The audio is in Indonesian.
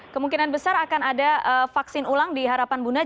kemungkinan besar akan ada vaksin ulang di harapan bunda